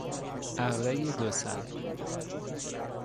ارهی دو سر